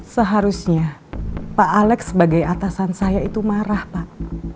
seharusnya pak alex sebagai atasan saya itu marah pak